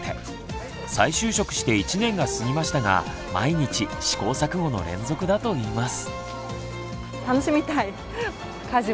再就職して１年が過ぎましたが毎日試行錯誤の連続だと言います。